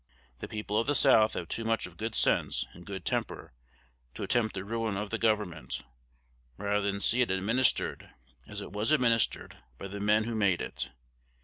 The people of the South have too much of good sense and good temper to attempt the ruin of the government, rather than see it administered as it was administered by the men who made it.